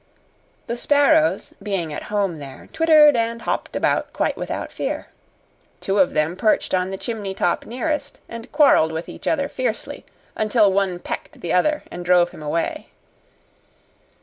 The sparrows, being at home there, twittered and hopped about quite without fear. Two of them perched on the chimney top nearest and quarrelled with each other fiercely until one pecked the other and drove him away.